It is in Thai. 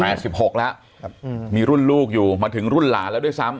สิบหกแล้วครับอืมมีรุ่นลูกอยู่มาถึงรุ่นหลานแล้วด้วยซ้ำ